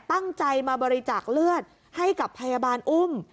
ตั้งใจมาบริจาคเลือดให้กับพยาบาลอุ้ม